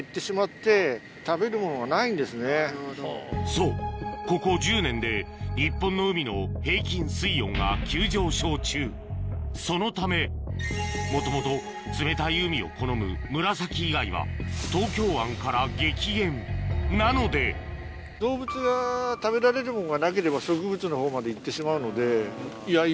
そうここ１０年で日本の海の平均水温が急上昇中そのためもともと冷たい海を好むムラサキイガイは東京湾から激減なので動物が食べられるものがなければ植物のほうまで行ってしまうので。